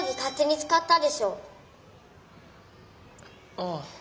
ああ。